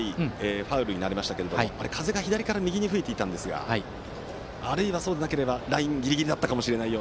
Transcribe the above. ファウルになりましたが風が左から右に吹いていたんですがあるいはそうではなければラインギリギリだったのではないか。